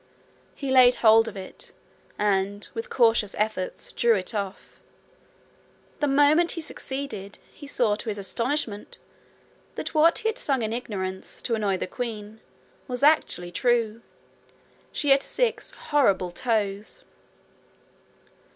He laid hold of it, and, with cautious efforts, drew it off. The moment he succeeded, he saw to his astonishment that what he had sung in ignorance, to annoy the queen, was actually true: she had six horrible toes.